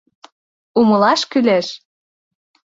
Умылаш кӱлеш.